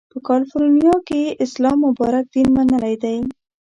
په کالیفورنیا کې یې اسلام مبارک دین منلی دی.